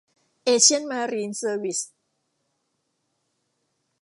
เอเชียน มารีน เซอร์วิสส์